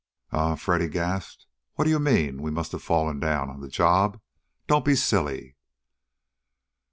"[A] "Eh?" Freddy gasped. "What do you mean, we must have fallen down on the job? Don't be silly!"